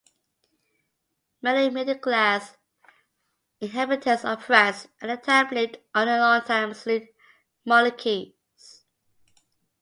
Many middle-class inhabitants of France at the time lived under long-time absolute monarchies.